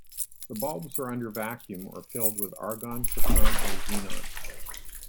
The bulbs are under vacuum or filled with argon, krypton or xenon.